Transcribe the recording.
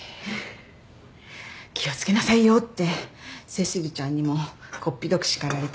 「気を付けなさいよ」ってセシルちゃんにもこっぴどく叱られた。